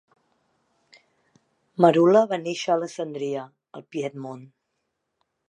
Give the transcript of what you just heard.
Merula va néixer a Alessandria al Piedmont.